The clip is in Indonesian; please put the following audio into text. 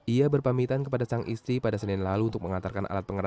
ia berpamitan kepada sang istri pada senin lalu untuk mengantarkan alat pengeras